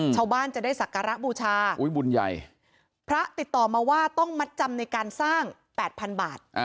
ชาวบ้านจะได้สักการะบูชาบุญใหญ่พระติดต่อมาว่าต้องมัดจำในการสร้าง๘๐๐๐บาท